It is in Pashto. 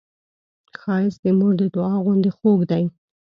ښایست د مور د دعا غوندې خوږ دی